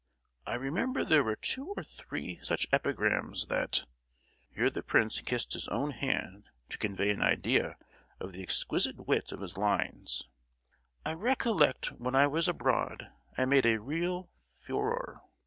I remember there were two or three such epigrams that (here the prince kissed his own hand to convey an idea of the exquisite wit of his lines) I recollect when I was abroad I made a real furore.